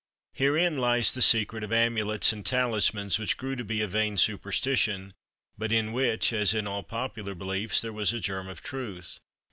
Herein lies the secret of amulets and talismans, which grew to be a vain superstition, but in which, as in all popular beliefs, there was a germ of truth.